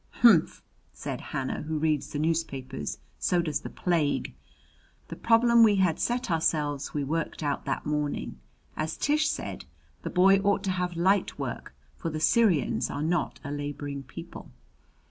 "Humph!" said Hannah, who reads the newspapers. "So does the plague!" The problem we had set ourselves we worked out that morning. As Tish said, the boy ought to have light work, for the Syrians are not a laboring people.